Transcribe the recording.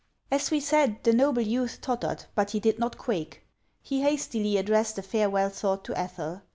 As we said, the noble youth tottered, but he did not quake. He hastily addressed a farewell thought to Ethel.